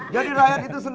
jadi rakyat itu senang